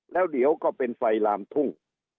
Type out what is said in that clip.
แล้วเดี๋ยวก็เป็นไฟลามทุ่ง